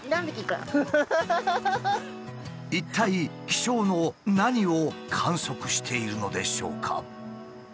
一体気象の何を観測しているのでしょうか？